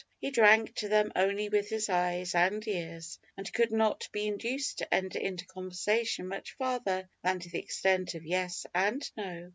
He drank to them only with his eyes and ears, and could not be induced to enter into conversation much farther than to the extent of yes and no.